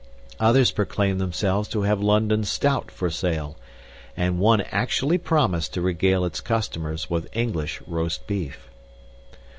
Others proclaimed themselves to have London stout for sale, and one actually promised to regale its customers with English roast beef.